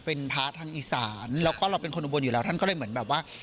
เป็นพระทางอีสานแล้วก็เราเป็นคนอุบลอยู่แล้วท่านก็เลยเหมือนแบบว่า